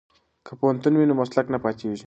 که پوهنتون وي نو مسلک نه پاتیږي.